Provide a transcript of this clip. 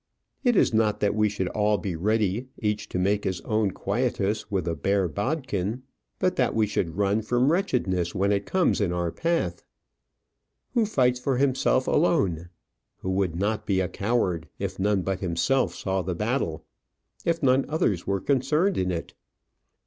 It is not that we should all be ready, each to make his own quietus with a bare bodkin; but that we should run from wretchedness when it comes in our path. Who fights for himself alone? Who would not be a coward, if none but himself saw the battle if none others were concerned in it?